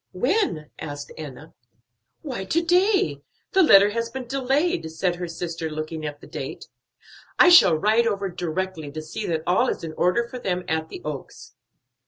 "When?" asked Enna. "Why, to day! the letter has been delayed," said her sister, looking at the date. "I shall ride over directly, to see that all is in order for them at the Oaks."